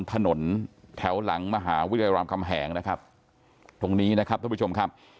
ถนนแถวหลังมหาวิทยาลัยรามคำแหงนะครับตรงนี้นะครับท่านผู้ชมครับ